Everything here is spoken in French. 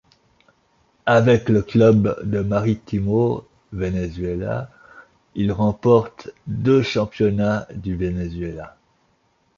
Avec le club de Marítimo Venezuela, il remporte deux championnats du Venezuela.